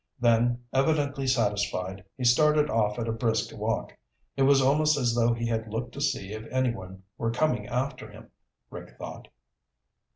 Then, evidently satisfied, he started off at a brisk walk. It was almost as though he had looked to see if anyone were coming after him, Rick thought.